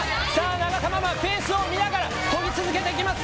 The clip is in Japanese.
永田ママ、ペースを見ながらこぎ続けていきます。